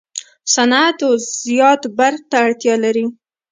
صنعت و زیات برق ته اړتیا لري.